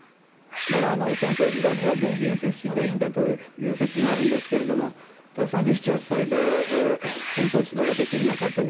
だから、戦争指導には軍人出身がいいんだという説もあるんですがただ、３７３８歳で戦争指導ができるのかという。